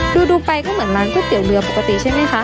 ดูไปก็เหมือนร้านก๋วยเตี๋ยวเรือปกติใช่ไหมคะ